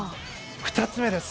２つ目です。